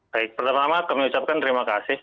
baik pertama kami ucapkan terima kasih